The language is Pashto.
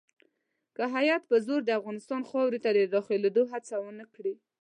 که هیات په زور د افغانستان خاورې ته داخلېدلو هڅه ونه کړي.